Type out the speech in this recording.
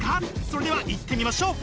それではいってみましょう！